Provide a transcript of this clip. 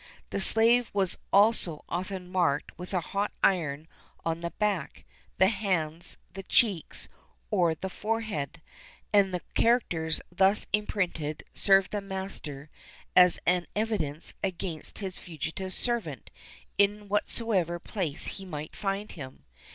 The slave was also often marked with a hot iron on the back, the hands, the cheeks, or the forehead; and the characters thus imprinted served the master as an evidence against his fugitive servant in whatsoever place he might find him.